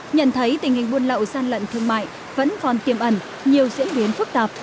nhận thấy tình hình buôn lậu gian lận thương mại vẫn còn tiêm ẩn nhiều diễn biến phức tạp